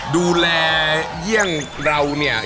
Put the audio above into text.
ดูแลเยี่ยงเราเนี่ย